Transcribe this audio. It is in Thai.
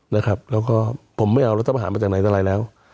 แล้วก็ผมไม่เอารัฐประหารมาจากไหนอะไรแล้ว